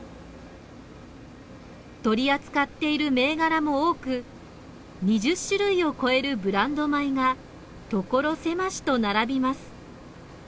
取り扱っている銘柄も多く２０種類を超えるブランド米が所狭しと並びます。